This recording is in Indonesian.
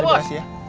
terima kasih ya